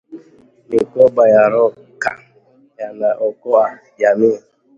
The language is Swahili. Mikoba ya Roka yanaokoa jamii